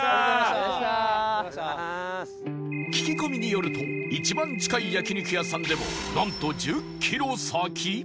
聞き込みによると一番近い焼肉屋さんでもなんと１０キロ先